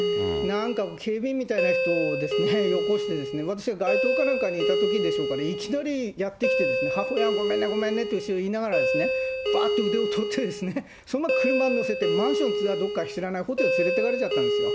なんか警備員みたいな人をよこして、私が街頭かなんかにいたときでしょうかね、いきなりやって来て、ごめんね、ごめんねと言いながら、ばっと腕を取ってですね、そのまま車乗せて、マンションかどっか知らない、ホテルに連れていかれちゃったんですよ。